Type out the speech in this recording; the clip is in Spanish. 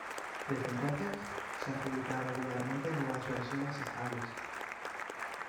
Desde entonces, se han publicado regularmente nuevas versiones estables.